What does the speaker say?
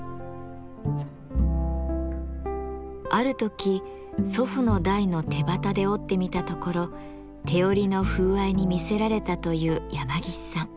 ある時祖父の代の手機で織ってみたところ手織りの風合いに魅せられたという山岸さん。